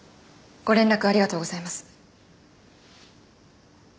ご連絡ありがとうございます。